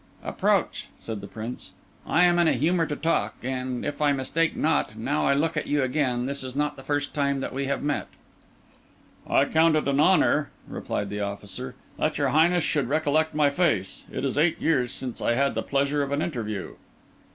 "Approach," said the Prince. "I am in a humour to talk, and, if I mistake not, now I look at you again, this is not the first time that we have met." "I count it an honour," replied the officer, "that your Highness should recollect my face. It is eight years since I had the pleasure of an interview."